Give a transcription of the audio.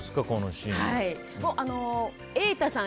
瑛太さん